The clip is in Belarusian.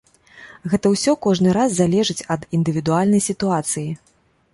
Гэта ўсё кожны раз залежыць ад індывідуальнай сітуацыі.